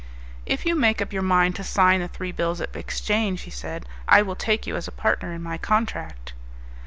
"If you make up your mind to sign the three bills of exchange," he said, "I will take you as a partner in my contract."